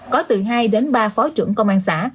có từ hai đến ba phó trưởng công an xã